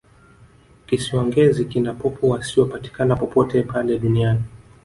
kisiwa ngezi kina popo wasiyopatikana popote pale duniani